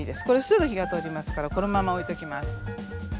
これすぐ火が通りますからこのまま置いときます。